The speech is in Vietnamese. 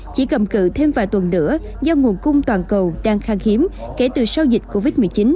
chỉ cầm cự thêm vài tuần nữa do nguồn cung toàn cầu đang khang hiếm kể từ sau dịch covid một mươi chín